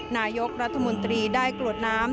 นายกรัฐมนตรีได้กรวดน้ำ